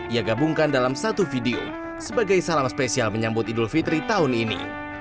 ia gabungkan dalam satu video sebagai salam spesial menyambut idul fitri tahun ini